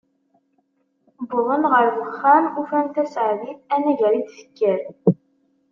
Wwḍen ɣer uxxam, ufan Taseɛdit anagar i d-tekker.